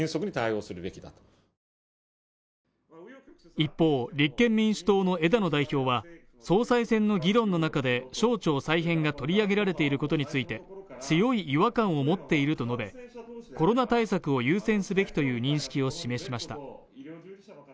一方、立憲民主党の枝野代表は総裁選の議論の中で省庁再編が取り上げられていることについて強い違和感を持っていると述べコロナ対策を優先すべきという認識を示しました。